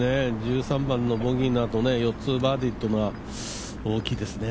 １３番のボギーのあと４つバーディーっていうのは大きいですね。